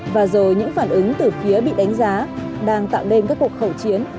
và rồi những phản ứng từ phía bị đánh giá đang tạo nên các cuộc khẩu chiến